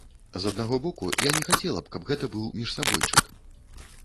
З аднаго боку, я не хацела б, каб гэта быў міжсабойчык.